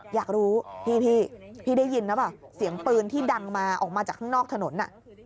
อยากรู้พี่พี่ได้ยินหรือเปล่าเสียงปืนที่ดังมาออกมาจากข้างนอกถนน